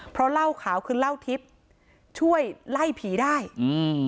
เพราะเหล้าขาวคือเหล้าทิพย์ช่วยไล่ผีได้อืม